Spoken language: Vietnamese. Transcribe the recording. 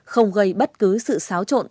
không gây bất cứ sự xáo trộn